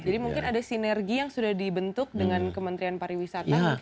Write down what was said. mungkin ada sinergi yang sudah dibentuk dengan kementerian pariwisata